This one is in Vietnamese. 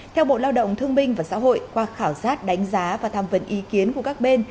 theo bộ lao động thương binh và xã hội qua khảo sát đánh giá và tham vấn ý kiến của các bên